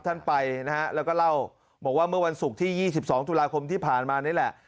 ท่านไปนะฮะแล้วก็เล่าบอกว่าเมื่อวันศุกร์ที่๒๒ตุลาคมที่ผ่านมานี่แหละ